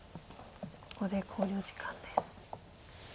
ここで考慮時間です。